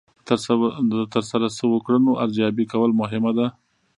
د ترسره شوو کړنو ارزیابي کول مهمه ده.